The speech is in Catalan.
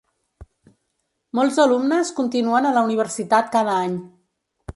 Molts alumnes continuen a la Universitat cada any.